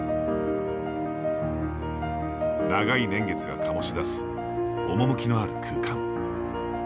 長い年月が醸し出す趣のある空間。